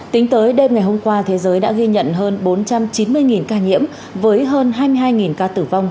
tính tới đêm ngày hôm qua thế giới đã ghi nhận hơn bốn trăm chín mươi ca nhiễm với hơn hai mươi hai ca tử vong